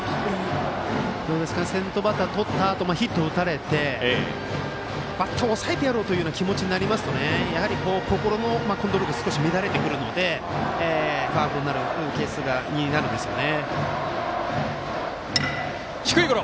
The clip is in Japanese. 先頭バッターとったあとヒットを打たれてバッターを押さえてやろうというような気持ちになりますとこのコントロールが乱れてきますのでファウルになるケースがあるんですね。